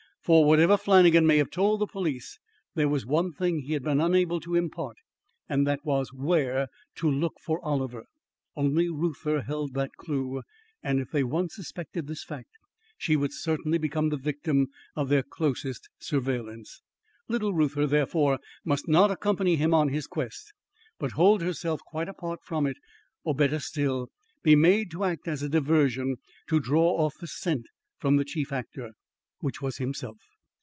For whatever Flannagan may have told the police, there was one thing he had been unable to impart, and that was where to look for Oliver. Only Reuther held that clew, and if they once suspected this fact, she would certainly become the victim of their closest surveillance. Little Reuther, therefore, must not accompany him on his quest, but hold herself quite apart from it; or, better still, be made to act as a diversion to draw off the scent from the chief actor, which was himself.